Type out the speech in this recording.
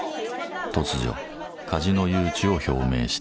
突如カジノ誘致を表明した。